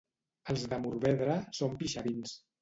Els de Morvedre són pixavins.